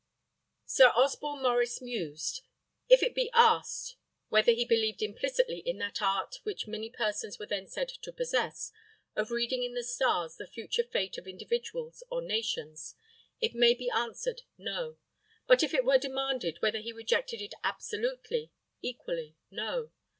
Sir Osborne Maurice mused. If it be asked whether he believed implicitly in that art which many persons were then said to possess, of reading in the stars the future fate of individuals or nations, it may be answered, No. But if it be demanded whether he rejected it absolutely, equally No.